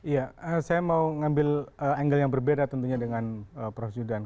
ya saya mau ngambil angle yang berbeda tentunya dengan prof zudan